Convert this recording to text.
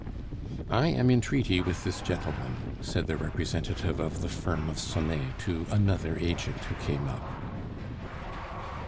"I am in treaty with this gentleman," said the representative of the firm of Sonet to another agent who came up.